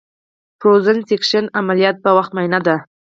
د فروزن سیکشن عملیاتو په وخت معاینه ده.